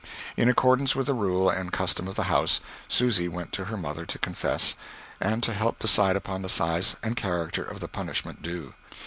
In accordance with the rule and custom of the house, Susy went to her mother to confess, and to help decide upon the size and character of the punishment due.